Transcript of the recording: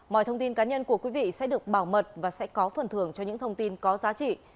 mọi thông tin cá nhân của quý vị sẽ được bảo mật và sẽ có phần thưởng cho những thông tin có giá trị